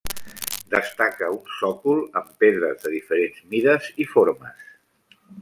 Destaca un sòcol amb pedres de diferents mides i formes.